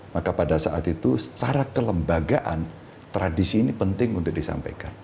maka pada saat itu secara kelembagaan tradisi ini penting untuk disampaikan